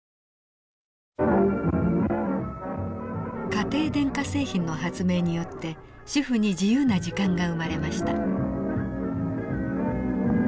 家庭電化製品の発明によって主婦に自由な時間が生まれました。